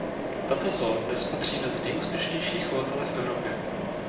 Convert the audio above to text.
Tato zoo dnes patří mezi nejúspěšnější chovatele v Evropě.